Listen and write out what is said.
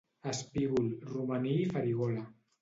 Espígol, romaní i farigola